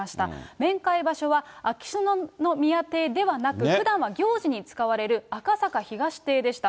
面会場所は秋篠宮邸ではなく、ふだんは行事に使われる赤坂東邸でした。